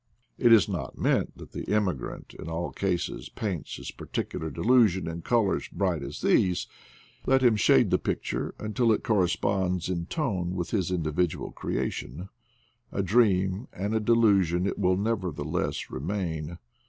It is not meant that the immigrant in all cases paints his particular delusion in colors bright as these; let him shade the picture until it corresponds in tone with his individual creation — a dream and a delu sion it will nevertheless remain.